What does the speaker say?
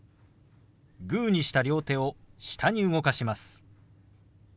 グーにした両手を下に動かします。